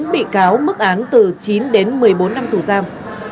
bốn bị cáo mức án từ chín đến một mươi bốn năm tù giam